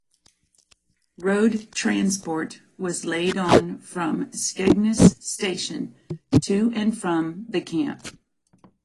Road transport was laid on from Skegness station to and from the Camp.